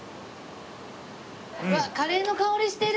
うわっカレーの香りしてる！